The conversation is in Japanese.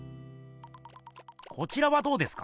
こちらはどうですか？